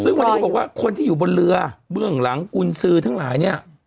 ซึ่งกับคนอยู่บนเรือเบื้องหลังคุณซื้อทั้งหลายนี่